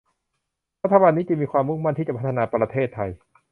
รัฐบาลนี้จึงมีความมุ่งมั่นที่จะพัฒนาประเทศไทย